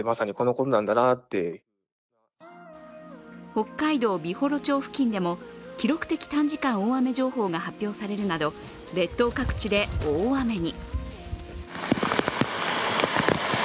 北海道美幌町付近でも記録的短時間大雨情報が発表されるなど列島各地で大雨に。